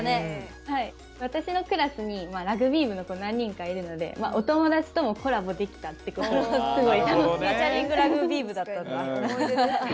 私のクラスにラグビー部の子何人かいるので、お友達ともコラボできたってことですごい楽しかったです。